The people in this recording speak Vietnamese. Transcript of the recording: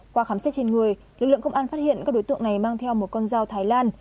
qua khám xét trên người lực lượng công an phát hiện các đối tượng này mang theo một con dao thái lan